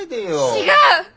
違う！